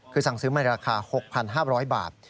คือสั่งซื้อใหม่ราคา๖๕๐๐บาท